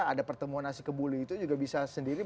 ada pertemuan nasi kebuli itu juga bisa sendiri